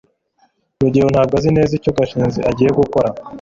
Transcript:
rugeyo ntabwo azi neza icyo gashinzi agiye gukora